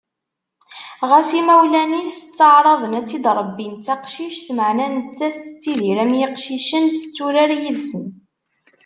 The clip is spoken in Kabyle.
Ɣas imawlan-is ttaεraḍen ad tt-id-rebbin d taqcict, meɛna nettat tettidir am yiqcicen: tetturar yid-sen.